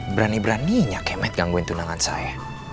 berani beraninya kemet gangguin tunangan saya